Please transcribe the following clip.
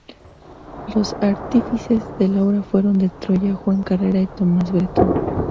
Los artífices de la obra fueron De Troya, Juan Carrera y Tomás Bretón.